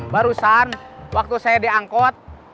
barusan waktu saya di angkot